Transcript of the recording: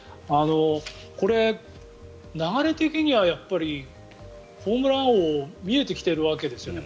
これ、流れ的にはホームラン王見えてきているわけですよね。